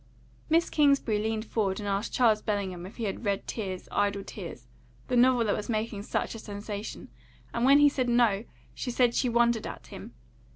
Miss Kingsbury leaned forward and asked Charles Bellingham if he had read Tears, Idle Tears, the novel that was making such a sensation; and when he said no, she said she wondered at him.